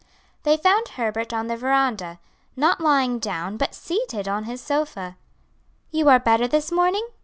They found Herbert on the veranda, not lying down, but seated on his sofa. "You are better this morning?"